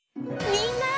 みんな！